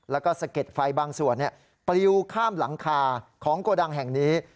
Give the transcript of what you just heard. แล้วก็สะเก็ดไฟบางส่วนปลิวข้ามหลังคาของโกดังแห่งนี้